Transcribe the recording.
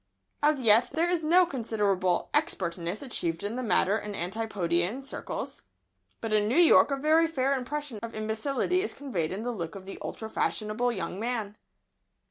As yet, there is no considerable expertness achieved in the matter in Antipodean circles, but in New York a very fair impression of imbecility is conveyed in the look of the ultra fashionable young man.